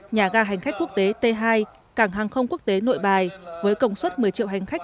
nhà ga hành khách quốc tế t hai cảng hàng không quốc tế nội bài với công suất một mươi triệu hành khách